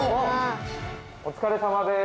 お疲れさまです。